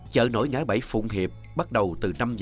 chợ nổi ngã bảy phụng hiệp bắt đầu từ năm h sáng và hoạt động cả ngày